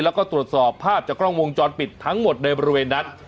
แล้วก็ตรวจสอบภาพจากกล้องวงจรปิดทั้งหมดในบริเวณนั้น